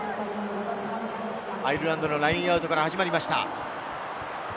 アイルランドのラインアウトから始まりました。